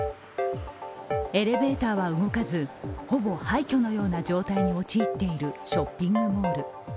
エレベーターは動かず、ほぼ廃虚のような状況に陥っているショッピングモール。